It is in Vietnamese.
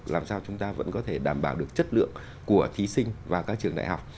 làm sao chúng ta vẫn có thể đảm bảo được chất lượng của thí sinh và các trường đại học